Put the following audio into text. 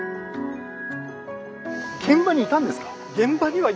現場にいたんですか？